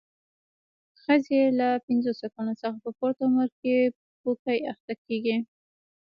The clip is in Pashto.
ښځې له پنځوسو کلونو څخه په پورته عمر کې پوکي اخته کېږي.